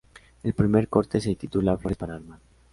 El primer corte se titula Flores para armar.